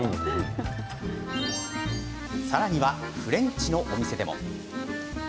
さらには、フレンチのお店でも。